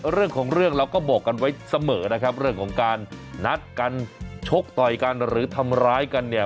เรื่องของเรื่องเราก็บอกกันไว้เสมอนะครับเรื่องของการนัดกันชกต่อยกันหรือทำร้ายกันเนี่ย